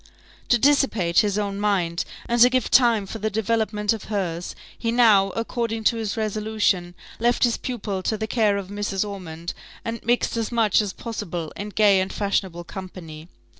To dissipate his own mind, and to give time for the development of hers, he now, according to his resolution, left his pupil to the care of Mrs. Ormond, and mixed as much as possible in gay and fashionable company.